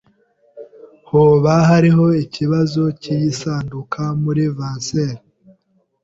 Hoba hariho ikibanza c'iyi sanduku muri vanseri?